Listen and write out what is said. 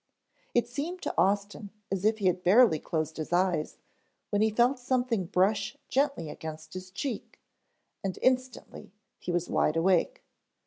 It seemed to Austin as if he had barely closed his eyes when he felt something brush gently against his cheek and instantly he was wide awake.